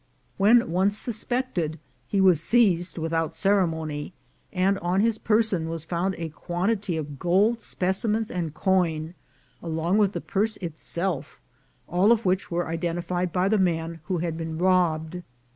When once suspected, he was seized without ceremony, and on his person was found a quantity of gold specimens and coin, along with the purse itself, all of which were identified by the man who had been robbed.